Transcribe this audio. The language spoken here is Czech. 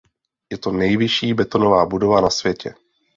Je to nejvyšší betonová budova na světě.